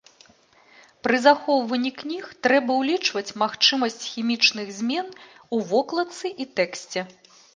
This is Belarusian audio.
Пры захоўванні кніг трэба ўлічваць магчымасць хімічных змен у вокладцы і тэксце.